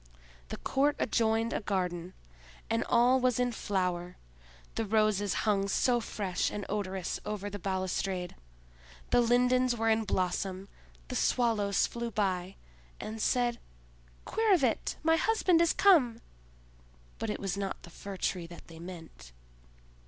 The court adjoined a garden, and all was in flower; the roses hung so fresh and odorous over the balustrade, the lindens were in blossom, the Swallows flew by, and said "Quirre vit! my husband is come!" but it was not the Fir tree that they meant.